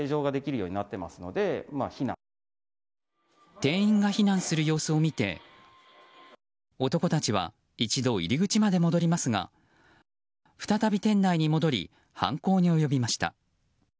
店員が避難する様子を見て男たちは一度入り口まで戻りますが再び店内に戻り犯行に及びました。